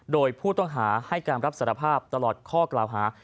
โดยผู้ต้องหาให้การรับสารภาพตลอดข้อกล่าวหา